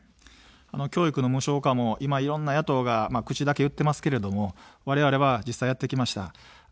教育の無償化も今、いろんな野党が口だけ言ってますけれども、われわれは実際やってきました。